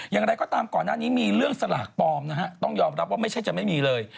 อย่างไรก็ตามก่อนหน้านี้มีเรื่องสลากปลอมนะฮะต้องยอมรับว่าไม่ใช่จะไม่มีเลย